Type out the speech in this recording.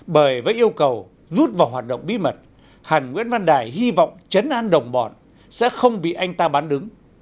bởi với yêu cầu rút vào hoạt động bí mật hẳn nguyễn văn đài hy vọng chấn an đồng bọn sẽ không bị anh ta bán đứng